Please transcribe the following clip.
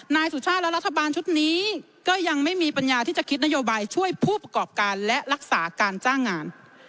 นายสุชาติและรัฐบาลชุดนี้ก็ยังไม่มีปัญญาที่จะคิดนโยบายช่วยผู้ประกอบการและรักษาการจ้างงาน